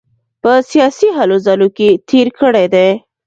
په سیاسي هلو ځلو کې تېر کړی دی.